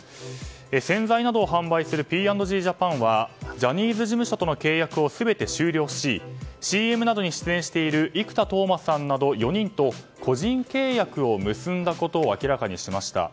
洗剤などを販売するＰ＆Ｇジャパンはジャニーズ事務所との契約を全て終了しＣＭなどに出演している生田斗真さんなど４人と個人契約を結んだことを明らかにしました。